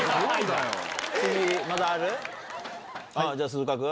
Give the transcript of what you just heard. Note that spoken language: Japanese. じゃあ鈴鹿君。